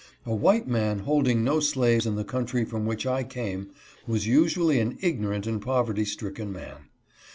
A white man holding no slaves in the country from which I came, was usually an ignorant and poverty stricken man.